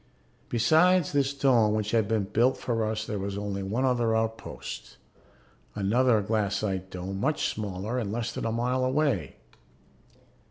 Besides this dome which had been built for us there was only one other outpost, another glassite dome much smaller and less than a mile away.